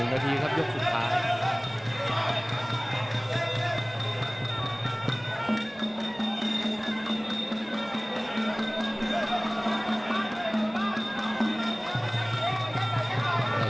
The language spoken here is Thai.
นาทีครับยกสุดท้าย